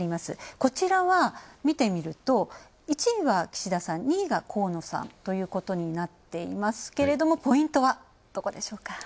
こちらは、見てみると１位は岸田さん、２位が河野さんということになっていますけど、ポイントはどこでしょうか。